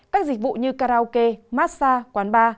các dịch vụ như karaoke massage quán bar